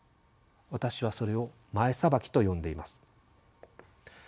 私はそれを「前さばき」と呼んでいます。